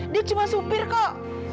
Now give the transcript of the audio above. dia cuma supir kok